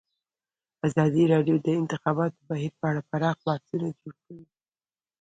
ازادي راډیو د د انتخاباتو بهیر په اړه پراخ بحثونه جوړ کړي.